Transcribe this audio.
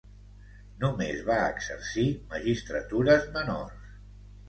Només va exercir magistratures menors.